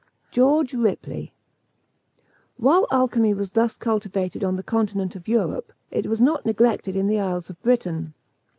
GEORGE RIPLEY. While alchymy was thus cultivated on the continent of Europe, it was not neglected in the isles of Britain.